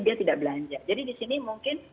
dia tidak belanja jadi di sini mungkin